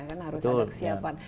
kan harus ada kesiapan